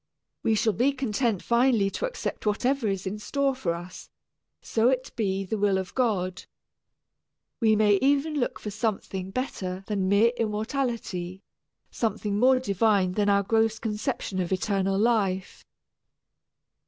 We shall be content finally to accept whatever is in store for us so it be the will of God. We may even look for something better than mere immortality, something more divine than our gross conception of eternal life.